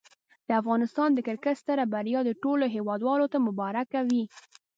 د افغانستان د کرکټ ستره بریا دي ټولو هېوادوالو ته مبارک وي.